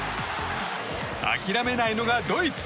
諦めないのがドイツ。